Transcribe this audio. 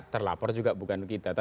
terlapor juga bukan kita